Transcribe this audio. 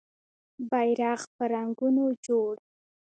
بېرغ په رنګونو جوړ